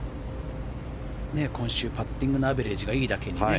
今週、パッティングのアベレージがいいだけにね。